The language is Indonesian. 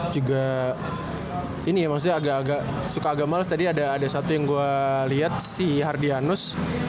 juga ini ya maksudnya agak agak suka agak males tadi ada satu yang gue lihat si hardianus